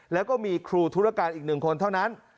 แล้วก็มีครูธุรการอีก๑คนเท่านั้น